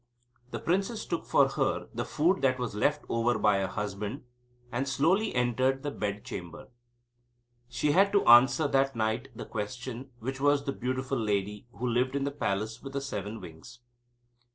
The princess took for her the food that was left over by her husband, and slowly entered the bed chamber. She had to answer that night the question, which was the beautiful lady who lived in the palace with the seven wings.